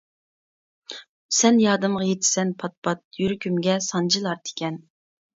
سەن يادىمغا يېتىسەن پات-پات، يۈرىكىمگە سانجىلار تىكەن.